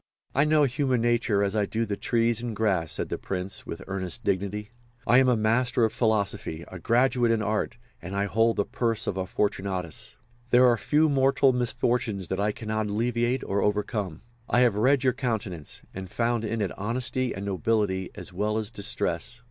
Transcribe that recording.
"I know human nature as I do the trees and grass," said the Prince, with earnest dignity. "I am a master of philosophy, a graduate in art, and I hold the purse of a Fortunatus. There are few mortal misfortunes that I cannot alleviate or overcome. I have read your countenance, and found in it honesty and nobility as well as distress.